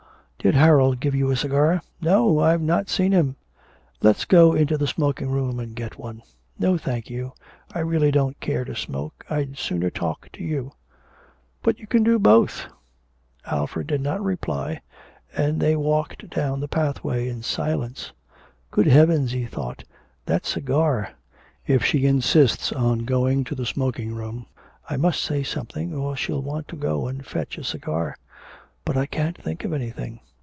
'Did Harold give you a cigar?' 'No, I have not seen him.' 'Let's go into the smoking room and get one.' 'No, thank you, I really don't care to smoke. I'd sooner talk to you.' 'But you can do both.' Alfred did not reply, and they walked down the pathway in silence. 'Good Heavens!' he thought, 'that cigar! If she insists on going to the smoking room! I must say something, or she'll want to go and fetch a cigar. But I can't think of anything.